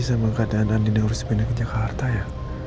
sama keadaan andina harus pindah ke jakarta ya